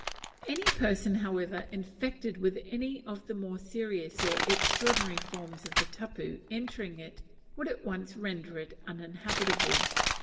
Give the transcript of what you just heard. Any person, however, infected with any of the more serious or extraordinary forms of the tapu entering it, would at once render it uninhabitable.